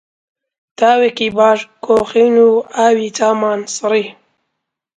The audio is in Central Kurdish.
تاوێکی باش کۆخین و ئاوی چاومان سڕی